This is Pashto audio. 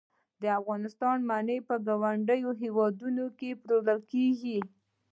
د افغانستان مڼې په ګاونډیو هیوادونو کې پلورل کیږي